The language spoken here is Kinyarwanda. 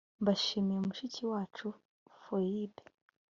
mbashimiye mushiki wacu foyibe